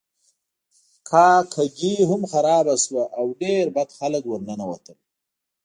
کاکه ګي هم خرابه شوه او ډیر بد خلک ورننوتل.